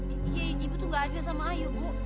iya ibu tuh nggak adil sama ayu bu